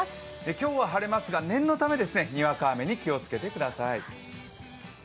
今日は晴れますが念のためにわか雨に気をつけてください。